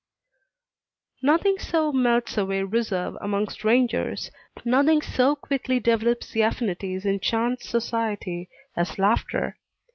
Nothing so melts away reserve among strangers, nothing so quickly develops the affinities in chance society, as laughter.